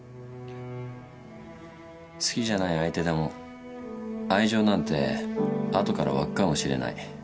好きじゃない相手でも愛情なんて後から湧くかもしれない。